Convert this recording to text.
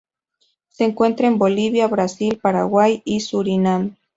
Se encuentra en Bolivia, Brasil, Paraguay y Surinam.